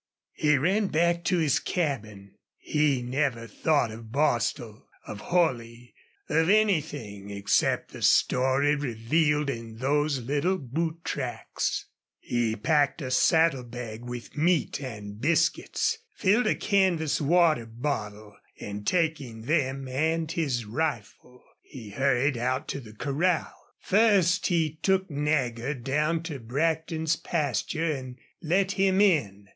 He ran back to his cabin. He never thought of Bostil, of Holley, of anything except the story revealed in those little boot tracks. He packed a saddle bag with meat and biscuits, filled a canvas water bottle, and, taking them and his rifle, he hurried out to the corral. First he took Nagger down to Brackton's pasture and let him in.